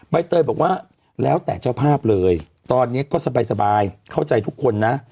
ใบเตยบอกว่าแล้วแต่เจ้าภาพเลยตอนนี้ก็สบายเข้าใจทุกคนนะ